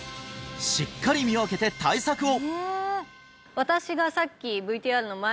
しっかり見分けて対策を！